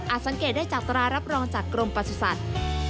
อาจสังเกตได้จากตรารับรองจากกรมปศุสัตว์